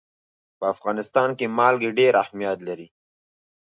په افغانستان کې نمک ډېر اهمیت لري.